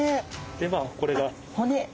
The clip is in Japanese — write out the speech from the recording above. でまあこれが骨です。